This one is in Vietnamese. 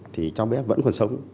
thì cháu bé vẫn còn sống